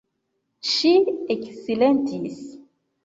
Ŝi eksilentis.